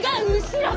後ろ！